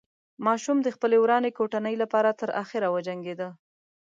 ماشوم د خپلې ورانې کوټنۍ له پاره تر اخره وجنګېده.